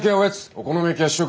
お好み焼きは主食！